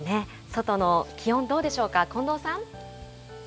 外の気温、どうでしょうか、近藤さん。